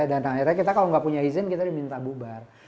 dan akhirnya kita kalau gak punya izin kita diminta bubar